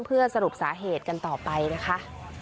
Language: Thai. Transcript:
เพื่อสรุปสาเหตุกันต่อไปนะคะ